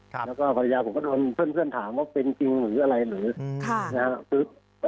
แล้วก็ผ่านวัฒนาผมก็ถึงเติมทุนถามว่าเป็นจริงหรืออะไรเหรอ